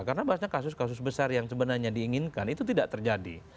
karena bahasanya kasus kasus besar yang sebenarnya diinginkan itu tidak terjadi